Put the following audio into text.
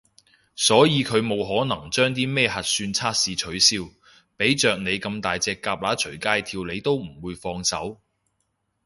所以佢冇可能將啲咩核算檢測取消，畀着你咁大隻蛤乸隨街跳你都唔會放手